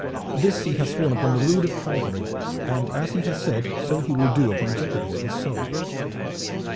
This he has sworn upon the rood of Calvary, and as he has said so he will do upon jeopardy of his soul."